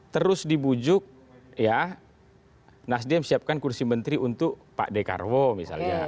terus dibujuk ya nasdem siapkan kursi menteri untuk pak dekarwo misalnya